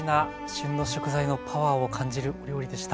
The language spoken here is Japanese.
旬の食材のパワーを感じるお料理でした。